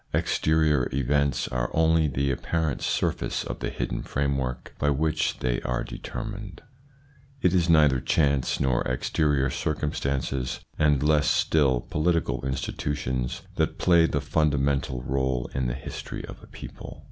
Exterior events are only the apparent surface of the hidden framework by which they are deter mined. It is neither chance nor exterior circumstances, and still less political institutions, that play the fundamental role in the history of a people.